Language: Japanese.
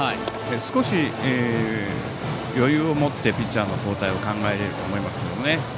少し、余裕を持ってピッチャーの交代を考えられると思いますね。